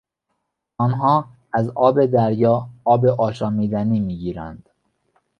آنها از آب دریا آب آشامیدنی میگیرند.